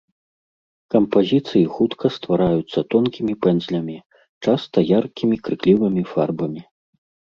Кампазіцыі хутка ствараюцца тонкімі пэндзлямі, часта яркімі крыклівымі фарбамі.